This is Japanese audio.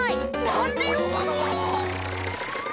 なんでよぶの！